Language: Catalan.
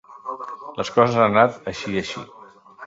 Les coses han anat així i així.